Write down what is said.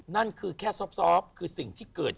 นั่นคือแค่ซอบคือสิ่งที่เกิด